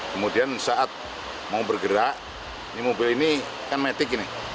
kemudian saat mau bergerak ini mobil ini kan metik ini